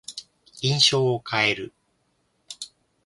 印象を変える。